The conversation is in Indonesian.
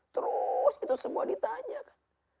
terus itu semua ditanya